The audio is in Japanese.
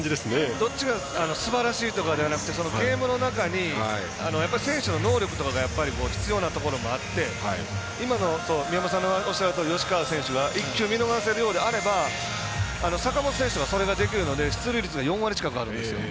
どっちかがすばらしいとかではなくてゲームの中に選手の能力とかが必要なところもあって今、宮本さんがおっしゃった吉川選手が１球見逃せるようであれば坂本選手はそれができるので出塁率が４割近くあるんです。